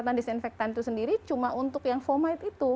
dan disinfektan itu sendiri cuma untuk yang fomite itu